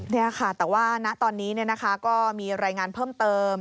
นี่ค่ะแต่ว่าณตอนนี้ก็มีรายงานเพิ่มเติม